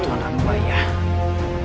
bukan harus baik baik